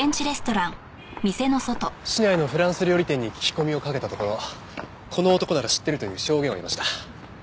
市内のフランス料理店に聞き込みをかけたところこの男なら知ってるという証言を得ました。